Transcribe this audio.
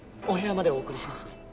お部屋までお送りしますね。